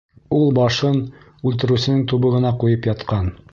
Ул башын үлтереүсеһенең тубығына ҡуйып ятҡан.